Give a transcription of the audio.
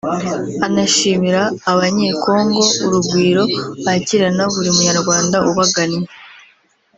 anashimira Abanye-Congo urugwiro bakirana buri munyarwanda ubagannye